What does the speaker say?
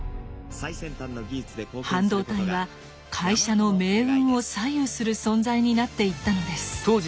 半導体は会社の命運を左右する存在になっていったのです。